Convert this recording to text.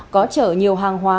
có chở nhiều hàng hóa